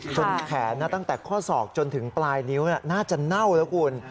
แขนตั้งแต่ข้อศอกจนถึงปลายนิ้วน่าจะเน่าแล้วคุณ